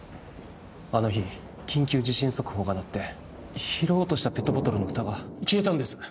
あの日緊急地震速報が鳴って拾おうとしたペットボトルのフタが消えたんです